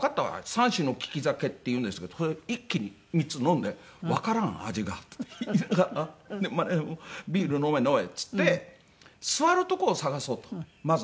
３種の利き酒っていうんですけどそれを一気に３つ飲んで「わからん味が」って。マネジャーも「ビール飲め飲め」っつって座る所を探そうとまず。